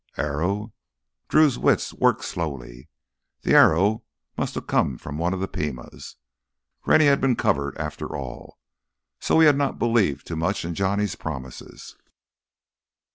Arrow? Drew's wits worked slowly. The arrow must have come from one of the Pimas—Rennie had been covered, after all. So he had not believed too much in Johnny's promises....